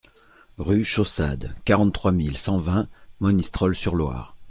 Rue Chaussade, quarante-trois mille cent vingt Monistrol-sur-Loire